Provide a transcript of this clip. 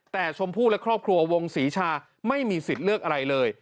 แต่ชมพู่และครอบครัววงศรีชาไม่มีสิทธิ์เลือกอะไรเลย